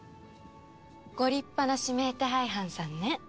ご立派な指名手配犯さんね。